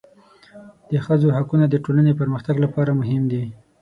د ښځو حقونه د ټولنې پرمختګ لپاره مهم دي.